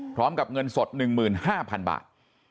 พร้อมกับเงินสด๑๕๐๐๐บาท